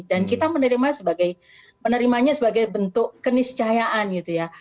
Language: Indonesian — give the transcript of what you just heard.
dan kita menerima sebagai menerimanya sebagai bentuk keniscayaan gitu ya